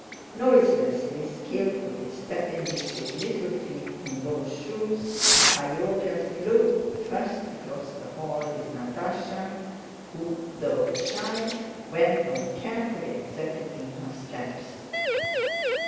Noiselessly, skillfully stepping with his little feet in low shoes, Iogel flew first across the hall with Natásha, who, though shy, went on carefully executing her steps.